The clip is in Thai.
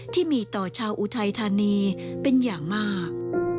ที่มีต่อชาวอุทัยธานีเป็นอย่างมาก